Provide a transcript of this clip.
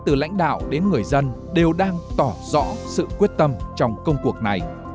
từ lãnh đạo đến người dân đều đang tỏ rõ sự quyết tâm trong công cuộc này